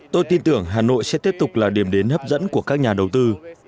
tôi tin tưởng hà nội sẽ tiếp tục là điểm đến hấp dẫn của các nhà đầu tư